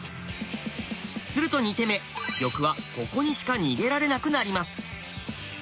すると２手目玉はここにしか逃げられなくなります。